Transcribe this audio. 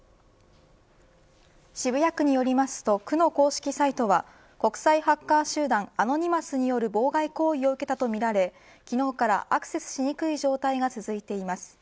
渋谷区によりますと区の公式サイトは国際ハッカー集団アノニマスによる妨害行為を受けたとみられ昨日からアクセスしにくい状態が続いています。